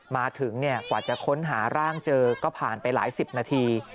มาถึงกว่าจะค้นหาร่างเจอก็ผ่านไปหลายสิบนาที